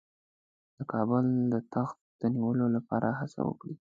د کابل د تخت د نیولو لپاره هڅه وکړي.